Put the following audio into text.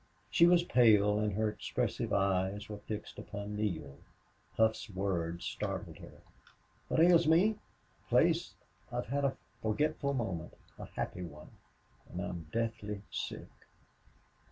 She was pale and her expressive eyes were fixed upon Neale. Hough's words startled her. "What ails me?... Place, I've had a forgetful moment a happy one and I'm deathly sick!"